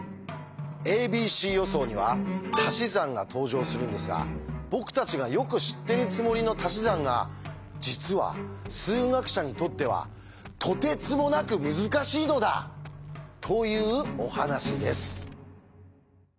「ａｂｃ予想」にはたし算が登場するんですが僕たちがよく知ってるつもりのたし算が実は数学者にとってはとてつもなく難しいのだ！というお話です。